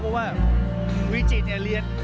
เพราะว่าวิจินเนี่ยเรียนเกรดแบบ๓๘